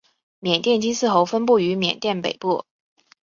缅甸金丝猴分布于缅甸北部。